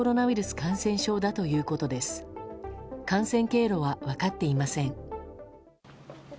感染経路は分かっていません。